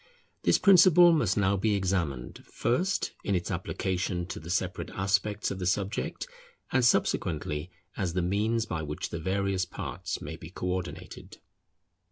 This principle must now be examined first in its application to the separate aspects of the subject, and subsequently as the means by which the various parts may be co ordinated.